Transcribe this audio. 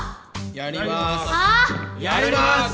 やります！！